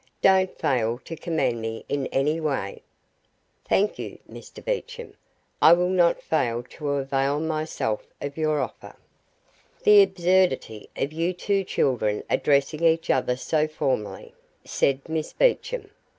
Don't fail to command me in any way." "Thank you, Mr Beecham. I will not fail to avail myself of your offer." "The absurdity of you two children addressing each other so formally," said Miss Beecham.